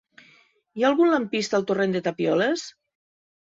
Hi ha algun lampista al torrent de Tapioles?